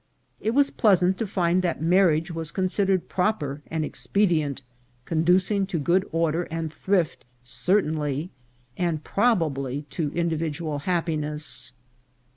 It was pleasant to find that marriage was considered proper and expedient, conducing to good order and thrift cer tainly, and probably to individual happiness.